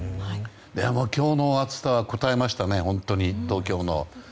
でも今日の暑さはこたえましたね、東京の。